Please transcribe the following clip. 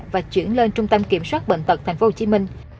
và chuyển lên trung tâm kiểm soát bệnh tật tp hcm